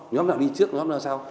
nhóm nào đi trước nhóm nào sau